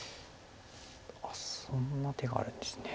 そんな手があるんですね。